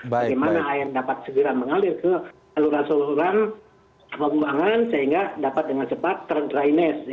bagaimana air dapat segera mengalir ke aluran aluran pembuangan sehingga dapat dengan cepat drainasi